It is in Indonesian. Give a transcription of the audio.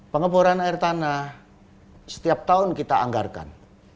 pengeboran air tanah setiap tahun kita anggarkan